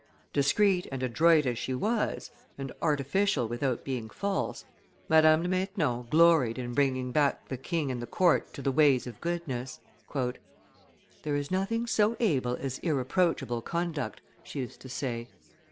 Discreet and adroit as she was, and artificial without being false, Madame de Maintenon gloried in bringing back the king and the court to the ways of goodness. "There is nothing so able as irreproachable conduct," she used to say.